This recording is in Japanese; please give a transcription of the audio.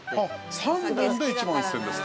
◆３本で１万１０００円ですって。